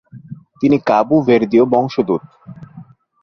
তিনি কাবু ভের্দীয় বংশোদ্ভূত।